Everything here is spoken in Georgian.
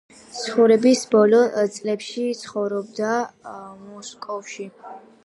ცხოვრების ბოლო წლებში ცხოვრობდა მოსკოვში.